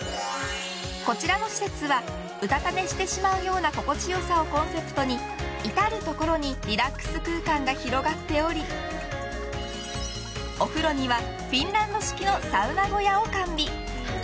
こちらの施設はうたた寝してしまうような心地よさをコンセプトに至るところにリラックス空間が広がっておりお風呂にはフィンランド式のサウナ小屋を完備。